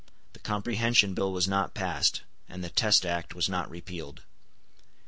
The Comprehension Bill was not passed; and the Test Act was not repealed.